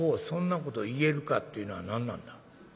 そんなこと言えるか』っていうのは何なんだ？」。